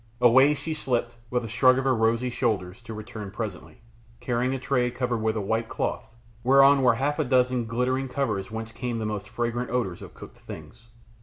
Away she slipped, with a shrug of her rosy shoulders, to return presently, carrying a tray covered with a white cloth, whereon were half a dozen glittering covers whence came most fragrant odours of cooked things.